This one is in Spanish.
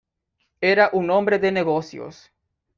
Era un hombre de negocios.